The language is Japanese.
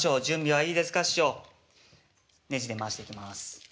ネジで回していきます。